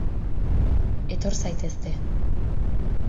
Etor zaitezte.